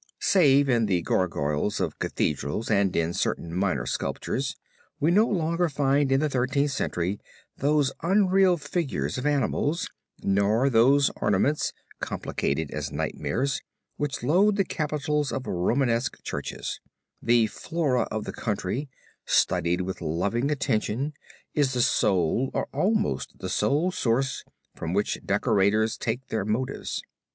Save in the gargoyles of cathedrals and in certain minor sculptures, we no longer find in the Thirteenth Century those unreal figures of animals, nor those ornaments, complicated as nightmares, which load the capitals of Romanesque churches; the flora of the country, studied with loving attention, is the sole, or almost the sole source from which decorators take their motives.